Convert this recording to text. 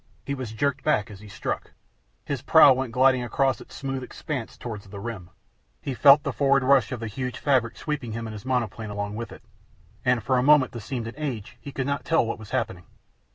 He was jerked back as he struck. His prow went gliding across its smooth expanse towards the rim. He felt the forward rush of the huge fabric sweeping him and his monoplane along with it, and for a moment that seemed an age he could not tell what was happening.